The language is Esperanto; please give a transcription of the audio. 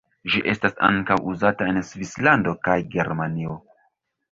Ĝi estas ankaŭ uzata en Svislando kaj Germanio.